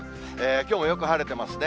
きょうもよく晴れてますね。